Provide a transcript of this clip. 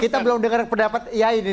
kita belum dengar pendapat iai nih